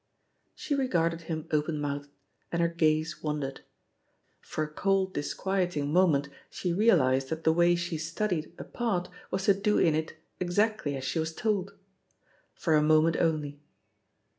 She regarded him open mouthed, and her gaze wandered. For a cold, disquieting moment she realised that the way she "studied" a part was to do in it exactly as she was told. For a moment only.